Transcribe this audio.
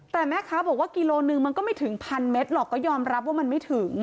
แต่แม่ค้าบอกว่ากิโลนึงมันก็ไม่ถึงพันเมตรหรอกก็ยอมรับว่ามันไม่ถึง